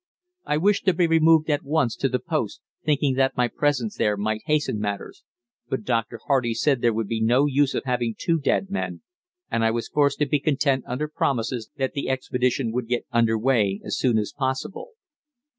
I wished to be removed at once to the post, thinking that my presence there might hasten matters, but Dr. Hardy said there would be no use of having two dead men, and I was forced to be content with promises that the expedition would get under way as soon as possible.